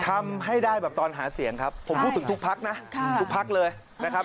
ทำให้ได้แบบตอนหาเสียงครับผมพูดถึงทุกพักนะทุกพักเลยนะครับ